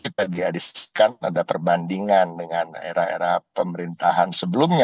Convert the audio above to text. tadi habiskan ada perbandingan dengan era era pemerintahan sebelumnya